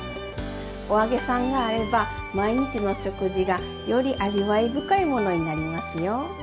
お揚げさんがあれば毎日の食事がより味わい深いものになりますよ。